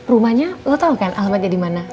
rumahnya lo tau kan alamatnya dimana